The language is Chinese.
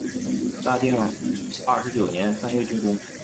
大定二十九年三月竣工。